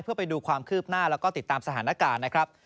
เพื่อไปดูความคืบหน้าแล้วก็ติดตามสถานการณ์นะครับ